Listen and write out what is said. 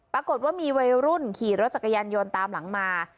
ปรากฏว่ามีวัยรุ่นขี่รถจักรยานยนต์ตามหลังมา